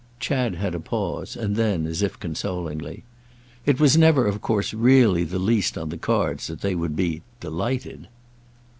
Chad had a pause, and then as if consolingly: "It was never of course really the least on the cards that they would be 'delighted.